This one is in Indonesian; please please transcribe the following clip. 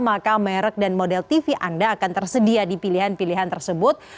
maka merek dan model tv anda akan tersedia di pilihan pilihan tersebut